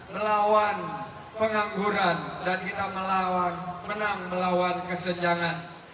melawan pengangguran dan kita menang melawan kesenjangan